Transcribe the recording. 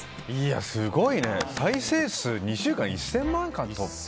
すごいね、再生数２週間で１０００万回突破。